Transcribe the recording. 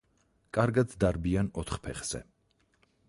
კარგად დარბიან ოთხ ფეხზე.